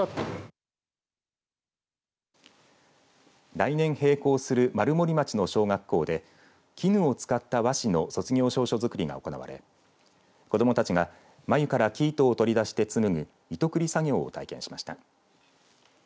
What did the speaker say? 来年閉校する丸森町の小学校で絹を使った和紙の卒業証書づくりが行われ子どもたちが繭から生糸を取り出して紡ぐ糸繰り作業を体験しました。